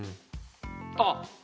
あっ！